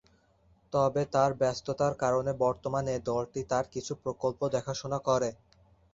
তবে তার ব্যস্ততার কারণে বর্তমান এ দলটি তার কিছু প্রকল্প দেখাশোনা করে।